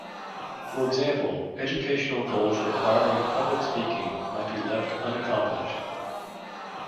For example, educational goals requiring public speaking might be left unaccomplished.